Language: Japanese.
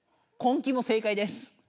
「根気」も正解です。